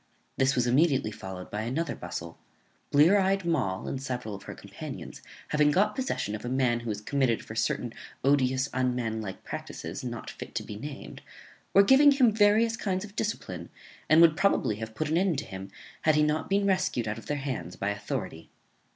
This was immediately followed by another bustle; Blear eyed Moll, and several of her companions, having got possession of a man who was committed for certain odious unmanlike practices, not fit to be named, were giving him various kinds of discipline, and would probably have put an end to him, had he not been rescued out of their hands by authority.